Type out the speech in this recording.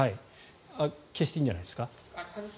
消していいんじゃないですか。